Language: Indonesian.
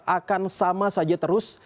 akan sama saja terus